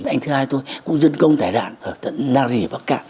anh thứ hai tôi cũng dân công tải đạn ở tận nari ở bắc cạn